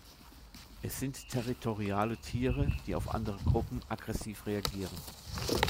Es sind territoriale Tiere, die auf andere Gruppen aggressiv reagieren.